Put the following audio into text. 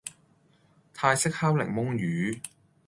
泰式烤檸檬魚